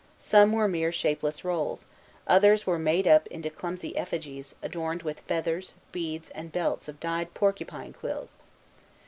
Some were mere shapeless rolls; others were made up into clumsy effigies, adorned with feathers, beads, and belts of dyed porcupine quills.